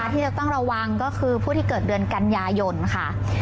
ที่จะต้องระวังก็คือผู้ที่เกิดเดือนกันยายนค่ะ